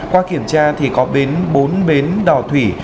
qua kiểm tra thì có bến bốn bến đỏ thủy